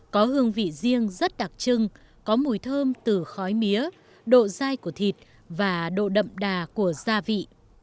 có hương vị riêng rất đặc trưng có mùi thơm từ khói mía độ dai của thịt và độ đậm đà của gia vị